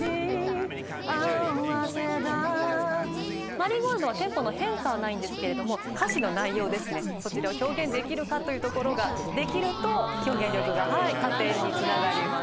『マリーゴールド』はテンポの変化はないんですが歌詞の内容ですねそちらを表現できるかというところができると表現力が加点につながります。